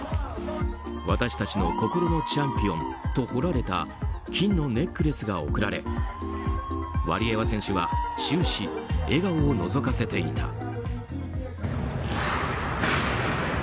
「私たちの心のチャンピオン」と彫られた金のネックレスが贈られワリエワ選手は終始笑顔をのぞかせていた。